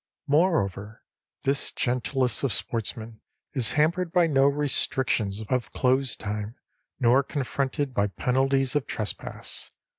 Moreover, this gentlest of sportsmen is hampered by no restrictions of close time, nor confronted by penalties of trespass.